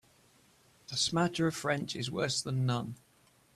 A smatter of French is worse than none.